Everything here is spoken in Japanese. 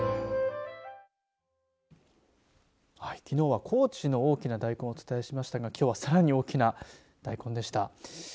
きのうは高知の大きな大根をお伝えしましたがきょうはさらに大きな大根でした。